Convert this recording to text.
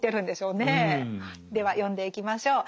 では読んでいきましょう。